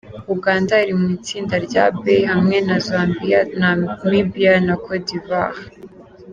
Uganda iri mu itsinda rya B hamwe na Zambia, Namibia na Côte d’Ivoire.